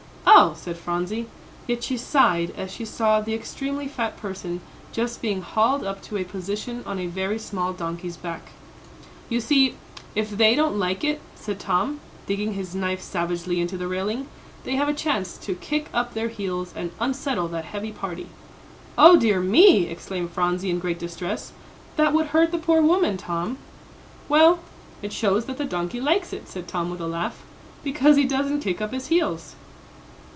"Oh," said Phronsie, yet she sighed as she saw the extremely fat person just being hauled up to a position on a very small donkey's back. "You see, if they don't like it," said Tom, digging his knife savagely into the railing, "they have a chance to kick up their heels and unsettle that heavy party." "O dear me!" exclaimed Phronsie, in great distress, "that would hurt the poor woman, Tom." "Well, it shows that the donkey likes it," said Tom, with a laugh, "because he doesn't kick up his heels."